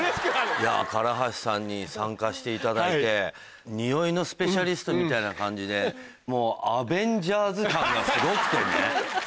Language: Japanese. いや唐橋さんに参加していただいて匂いのスペシャリストみたいな感じでもうアベンジャーズ感がすごくてね。